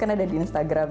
ada di instagram